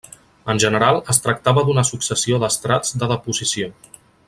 En general, es tractava d'una successió d'estrats de deposició.